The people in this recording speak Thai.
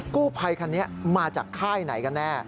กู้ภัยคันนี้มาจากค่ายไหนกันแน่